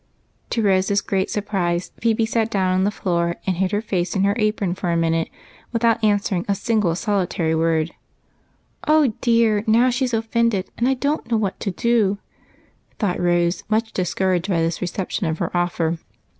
To Rose's gi eat surprise, Phebe sat down on the floor and hid her face in her apron for a minute with out answering a word. "Oh dear, now she's offended, and I don't know what to do," thought Rose, much discouraged by this reception of her offer.